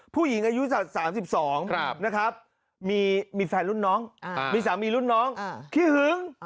ผู้หญิงอายุสัก๓๒นะครับมีแฟนรุ่นน้องมีสามีรุ่นน้องขี้หึง